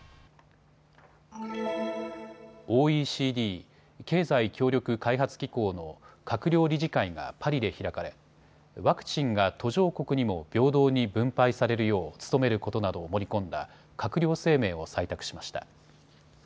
ＯＥＣＤ・経済協力開発機構の閣僚理事会がパリで開かれワクチンが途上国にも平等に分配されるよう努めることなどを盛り込んだ閣僚声明を採択しました。